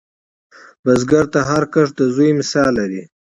بزګر ته هر کښت د زوی مثال لري